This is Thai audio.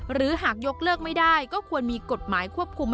หากยกเลิกไม่ได้ก็ควรมีกฎหมายควบคุม